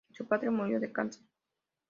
Su padre murió de cáncer.